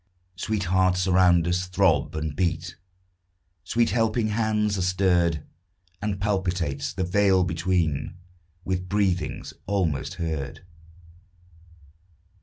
Sweet hearts around us throb and beat, Sweet helping hands are stirred, And palpitates the veil between With breathings almost heard.